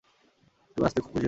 তুমি আসাতে খুব খুশি হয়েছি।